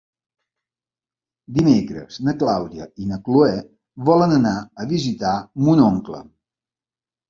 Dimecres na Clàudia i na Cloè volen anar a visitar mon oncle.